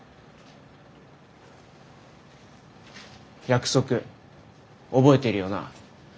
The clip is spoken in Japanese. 約束覚えているよな？